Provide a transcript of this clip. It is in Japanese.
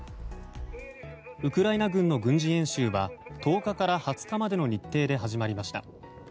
ウクライナ軍の軍事演習は１０日から２０日までの日程で始まりました。